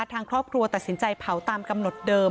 ทางครอบครัวตัดสินใจเผาตามกำหนดเดิม